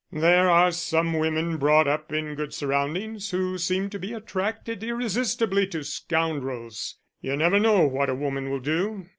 "There are some women brought up in good surroundings who seem to be attracted irresistibly to scoundrels. You never know what a woman will do.